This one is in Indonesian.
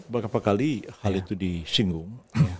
berapa kali hal itu disinggung